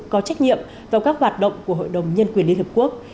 có trách nhiệm vào các hoạt động của hội đồng nhân quyền liên hợp quốc